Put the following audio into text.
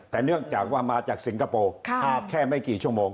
แต่เนื่องจากว่ามาจากสิงคโปร์มาแค่ไม่กี่ชั่วโมง